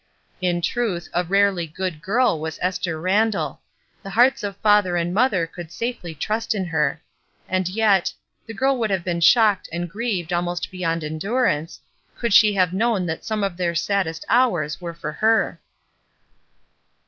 In truth, a rarely good girl was Esther Randall ; the hearts of father and mother could safely trust in her. And yet — the girl would have been shocked, and grieved almost beyond endurance, could she have known that some of their saddest hours were for her.